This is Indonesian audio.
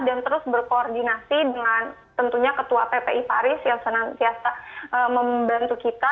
dan terus berkoordinasi dengan tentunya ketua ppi paris yang senang biasa membantu kita